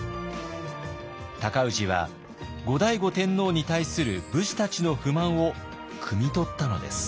尊氏は後醍醐天皇に対する武士たちの不満をくみとったのです。